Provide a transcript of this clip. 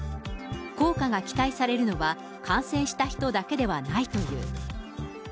効果が期待されるのは、感染した人だけではないという。